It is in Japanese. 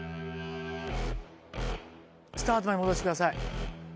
スタートまで戻してください。